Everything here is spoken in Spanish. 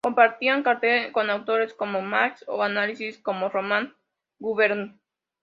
Compartían cartel con autores como Max o analistas como Román Gubern.